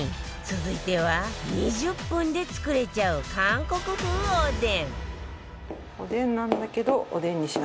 続いては２０分で作れちゃう韓国風おでん